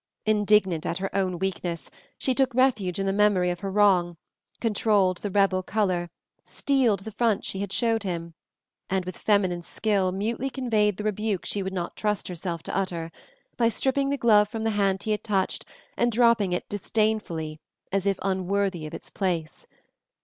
Indignant at her own weakness, she took refuge in the memory of her wrong, controlled the rebel color, steeled the front she showed him, and with feminine skill mutely conveyed the rebuke she would not trust herself to utter, by stripping the glove from the hand he had touched and dropping it disdainfully as if unworthy of its place.